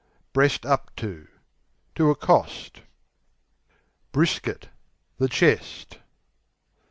Breast up to To accost. Brisket The chest.